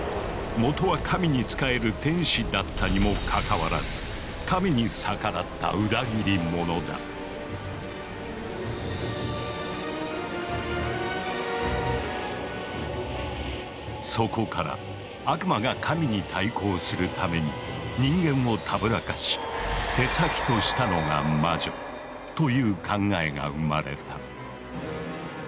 もとは神に仕える天使だったにもかかわらずそこから悪魔が神に対抗するために人間をたぶらかし手先としたのが魔女という考えが生まれた。